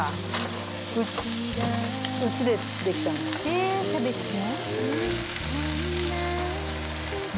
へえキャベツも？